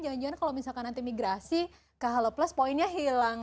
jangan jangan kalau misalkan nanti migrasi ke halo plus poinnya hilang